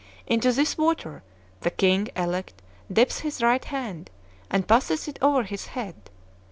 Into this water the king elect dips his right hand, and passes it over his head.